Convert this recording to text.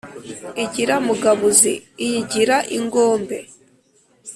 Igira mugabuzi iyigira ingombe,